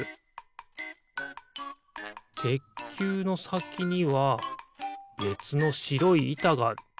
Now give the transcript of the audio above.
てっきゅうのさきにはべつのしろいいたがある。